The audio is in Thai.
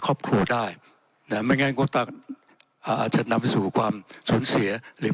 ครอบครัวได้นะไม่งั้นก็อ่าอาจจะนำไปสู่ความสูญเสียหรือ